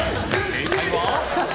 正解は。